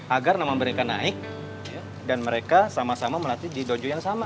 agar nama mereka naik dan mereka sama sama melatih di dojo yang sama